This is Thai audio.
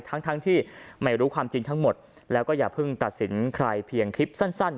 ทั้งทั้งที่ไม่รู้ความจริงทั้งหมดแล้วก็อย่าเพิ่งตัดสินใครเพียงคลิปสั้น